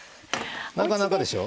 なかなかでしょう。